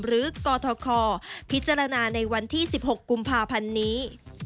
หรือกทคพิจารณาในวันที่๑๖กุมภาพันธ์นี้